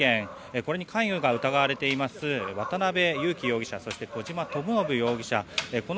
これに関与が疑われています渡邉優樹容疑者そして小島智信容疑者